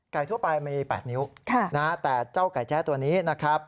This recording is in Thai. ทั่วไปมี๘นิ้วแต่เจ้าไก่แจ้ตัวนี้นะครับ